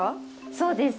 そうです。